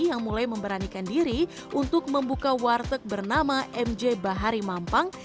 yang mulai memberanikan diri untuk membuka warteg bernama mj bahari mampang